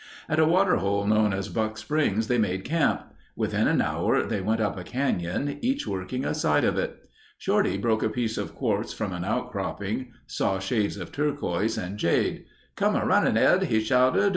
At a water hole known as Buck Springs they made camp. Within an hour they went up a canyon, each working a side of it. Shorty broke a piece of quartz from an outcropping; saw shades of turquoise and jade. "Come a runnin' Ed," he shouted.